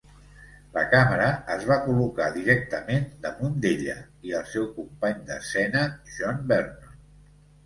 La càmera es va col·locar directament damunt d'ella i el seu company d'escena, John Vernon.